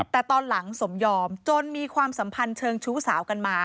แต่ตอนหลังสมยอมจนมีความสัมพันธ์เชิงชู้สาวกันมา